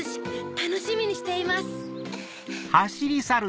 たのしみにしています。